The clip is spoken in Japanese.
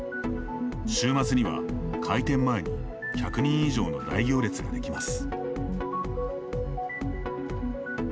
週末には、開店前に１００人以上の大行列ができます。